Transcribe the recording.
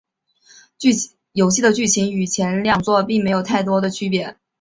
游戏的剧情与前两作并没有太多区别。